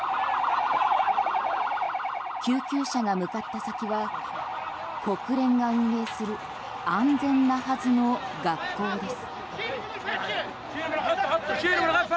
救急車が向かった先は国連が運営する安全なはずの学校です。